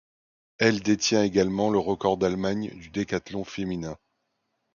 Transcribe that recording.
Elle détient également le record d'Allemagne du décathlon féminin.